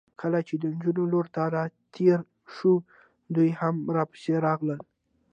کله چې د نجونو لور ته راتېر شوو، دوی هم راپسې راغلل.